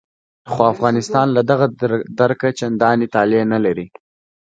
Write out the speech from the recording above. خو افغانستان له دغه درکه چندانې طالع نه لري.